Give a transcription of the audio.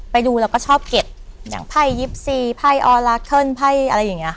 ไปดูเราก็ชอบเก็บอย่างไพ่ยิปซีไพ่ออราเคิลไพ่อะไรอย่างเงี้ยค่ะ